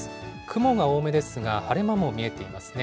雲が多めですが、晴れ間も見えていますね。